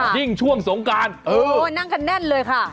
ยิ่งช่วงสงการนั่งกันแน่นเลยค่ะ